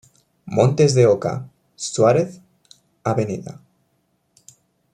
Montes de Oca, Suárez, Av.